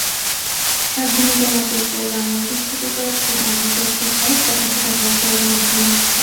স্বাধীনতা লাভের পর বাংলাদেশ থেকে কয়েকটি আরবি পত্রিকা প্রকাশিত হয়েছে এবং এখনও হচ্ছে।